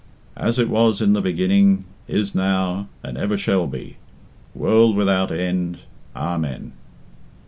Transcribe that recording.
As it was in the beginning, is now, and ever shall be; World without end, A men."